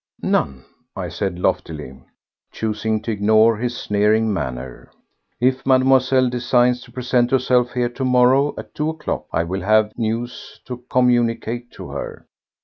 "None," I said loftily, choosing to ignore his sneering manner. "If Mademoiselle deigns to present herself here to morrow at two o'clock I will have news to communicate to her."